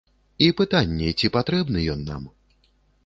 І пытанне, ці патрэбны ён нам?